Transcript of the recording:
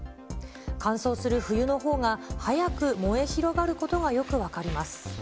乾燥する冬のほうが、早く燃え広がることがよく分かります。